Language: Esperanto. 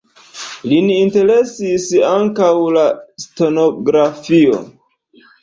Lin interesis ankaŭ la stenografio.